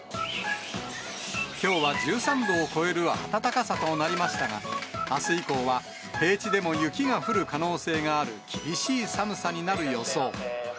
きょうは１３度を超える暖かさとなりましたが、あす以降は平地でも雪が降る可能性がある厳しい寒さになる予想。